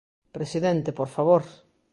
Presidente, ¡por favor!